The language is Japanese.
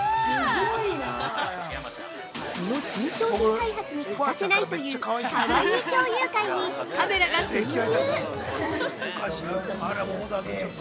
◆その新商品開発に欠かせないという「かわいい共有会」にカメラが潜入！